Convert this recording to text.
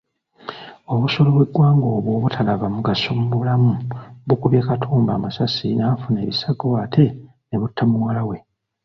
Obusolo bw'eggwanga obwo obutalaba mugaso mu bulamu bukubye Katumba amasasi n’afuna ebisago ate ne butta muwala we.